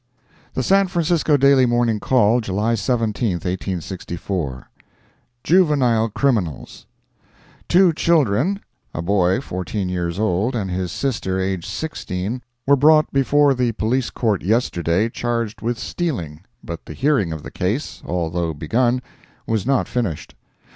The San Francisco Daily Morning Call, July 17, 1864 JUVENILE CRIMINALS Two children, a boy fourteen years old, and his sister, aged sixteen, were brought before the Police Court yesterday, charged with stealing, but the hearing of the case, although begun, was not finished.